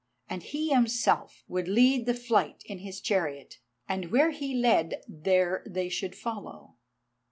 And he himself would lead the flight in his chariot, and where he led there they should follow.